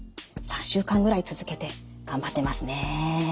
３週間ぐらい続けて頑張ってますね。